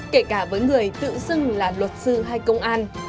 kể cả với người tự xưng là luật sư hay công an